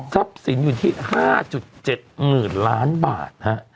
ทรัพย์สินอยู่ที่๕๗หมื่นล้านบาทนะ